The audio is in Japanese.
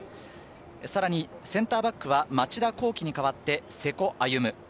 さらにセンターバックは町田浩樹に代わって瀬古歩夢。